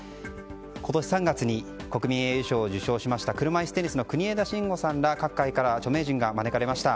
今年３月に国民栄誉賞を受賞されました車いすテニスの国枝慎吾さんら各界から著名人らが招かれました。